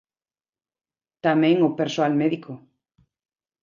Tamén ao persoal médico.